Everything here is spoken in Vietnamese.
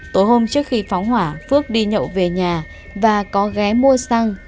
tối hôm trước khi phóng hỏa phước đi nhậu về nhà và có ghé mua xăng